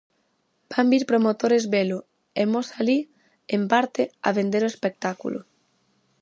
Van vir promotores velo, e mos alí, en parte, a vender o espectáculo.